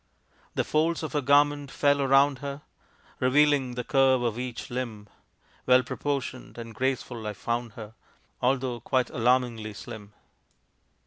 The folds of her garment fell round her, Revealing the curve of each limb; Well proportioned and graceful I found her, Although quite alarmingly slim.